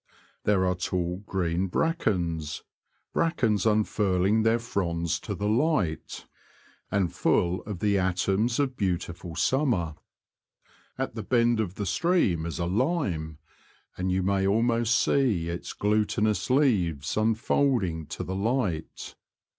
There are tall green brackens — brackens unfurling their fronds to the light, and full of the atoms of beautiful summer. At the bend of the stream is a lime, and you may almost see its glutinous leaves unfolding to the light.